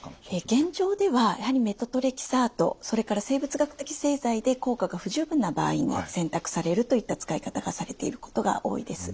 現状ではやはりメトトレキサートそれから生物学的製剤で効果が不十分な場合に選択されるといった使い方がされていることが多いです。